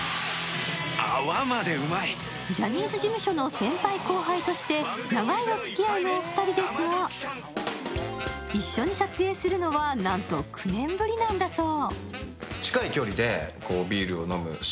ジャニーズ事務所の先輩・後輩として長いおつきあいのお二人ですが一緒に撮影するのは、なんと９年ぶりなんだそう。